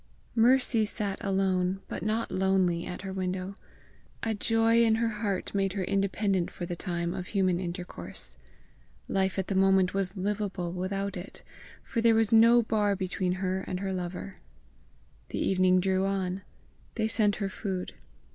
Mercy sat alone but not lonely at her window. A joy in her heart made her independent for the time of human intercourse. Life at the moment was livable without it, for there was no bar between her and her lover. The evening drew on. They sent her food.